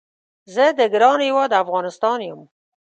زه د ګران هیواد افغانستان یم